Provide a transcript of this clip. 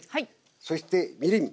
そしてみりん。